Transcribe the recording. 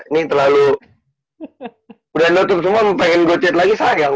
ini terlalu udah nutup semua pengen gue chat lagi sayang